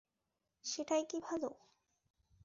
সেটাই কি ভালো?